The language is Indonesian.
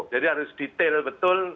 jadi harus detail betul